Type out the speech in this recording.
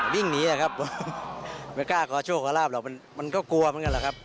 วิ่งหนีแหละครับไม่กล้าขอโชคขอลาบหรอกมันก็กลัวเหมือนกันแหละครับ